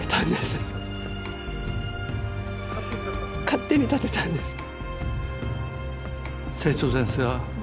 勝手に建てたんです。